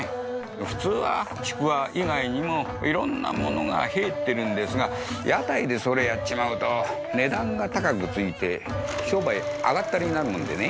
普通はちくわ以外にもいろんなものが入ってるんですが屋台でそれやっちまうと値段が高くついて商売上がったりになるもんでね。